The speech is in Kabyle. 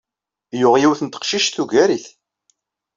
Yuɣ yiwet n teqcict tugar-it.